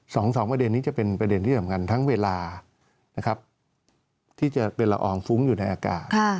สองสองประเด็นนี้จะเป็นประเด็นที่สำคัญทั้งเวลานะครับที่จะเป็นละอองฟุ้งอยู่ในอากาศ